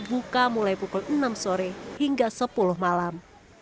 buka mulai pukul enam sore hingga sepuluh malam